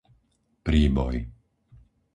Príboj